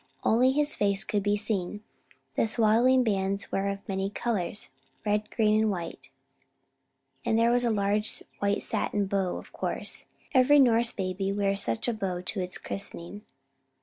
Only his face could be seen. The swaddling bands were of many colours, red, green, and white, and there was a large white satin bow, of course. Every Norse baby wears such a bow to its christening.